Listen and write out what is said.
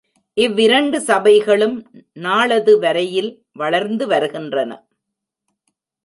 இவ்விரண்டு சபைகளும் நாளது வரையில் வளர்ந்து வருகின்றன.